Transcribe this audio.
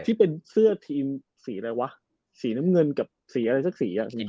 ที่เป็นเสื้อทีมสีอะไรวะสีน้ำเงินกับสีอะไรสักสีอ่ะ